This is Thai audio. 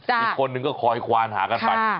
อีกคนนึงก็คอยควานหากันไป